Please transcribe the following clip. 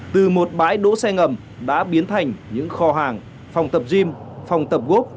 từ một bãi đỗ xe ngầm đã biến thành những kho hàng phòng tập gym phòng tập gốc